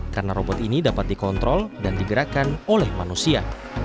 karena robot ini dapat dikontrol dan digerakkan oleh manusia